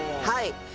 はい。